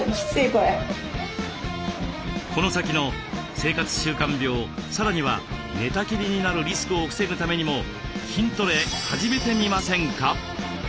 この先の生活習慣病さらには寝たきりになるリスクを防ぐためにも筋トレ始めてみませんか？